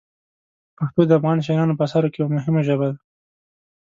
پښتو د افغان شاعرانو په اثارو کې یوه مهمه ژبه ده.